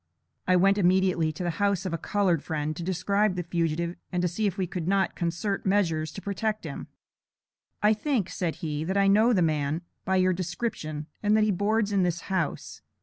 I went immediately to the house of a colored friend, to describe the fugitive and see if we could not concert measures to protect him. "I think," said he, "that I know the man, by your description, and that he boards in this house.